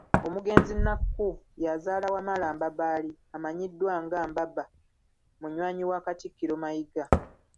Omugenzi Nakku y'azaala Wamala Mbabaali amanyiddwa nga Mbaba munywanyi wa Katikkiro Mayiga.